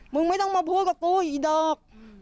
มึงไม่ต้องมาพูดกับตัวอีดอก